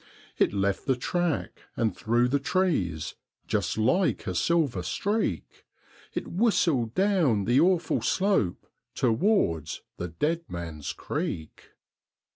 It left the track, and through the trees, just like a silver streak, It whistled down the awful slope, towards the Dead Man's Creek.